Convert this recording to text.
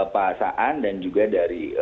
pak saan dan juga dari